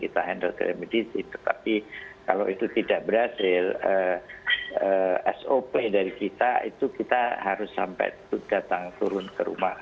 kita handle telemedicine tetapi kalau itu tidak berhasil sop dari kita itu kita harus sampai datang turun ke rumah